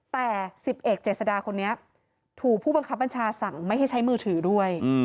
แต่๑๐เอกเจษดาคนนี้ถูกผู้บังคับบัญชาสั่งไม่ให้ใช้มือถือด้วย